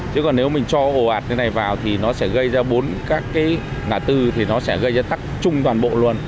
chứ còn nếu mình cho hồ ạt như thế này vào thì nó sẽ gây ra bốn các cái ngã tư thì nó sẽ gây ra tắc chung toàn bộ luôn